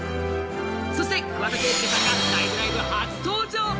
そして桑田佳祐さんが「ライブ！ライブ！」初登場。